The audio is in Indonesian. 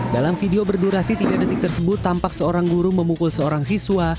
dalam video berdurasi tiga detik tersebut tampak seorang guru memukul seorang siswa